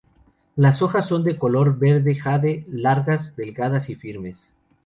Las hojas son de color verde jade, largas, delgadas y firmes.